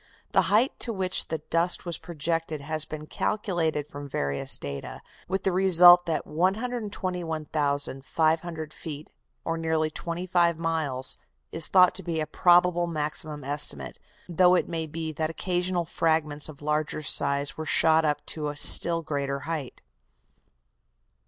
The height to which the dust was projected has been calculated from various data, with the result that 121,500 feet, or nearly 25 miles, is thought to be a probable maximum estimate, though it may be that occasional fragments of larger size were shot up to a still greater height.